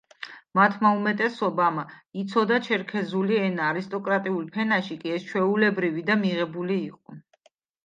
მათმა უმეტესობამ იცოდა ჩერქეზული ენა, არისტოკრატიულ ფენაში კი ეს ჩვეულებრივი და მიღებული იყო.